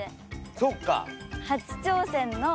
そっか。